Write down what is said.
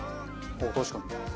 ああ確かに。